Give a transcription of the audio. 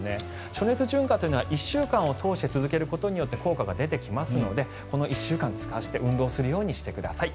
暑熱順化というのは１週間を通して続けることによって効果が出てきますのでこの１週間を使わせて運動するようにしてください。